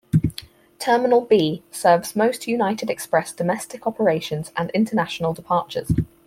Terminal B serves most United Express domestic operations and international departures.